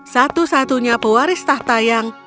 satu satunya pewaris tahta yang